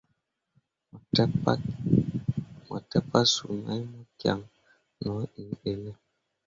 Mo te pasuu mai mo kian no yĩĩ ɓe ne.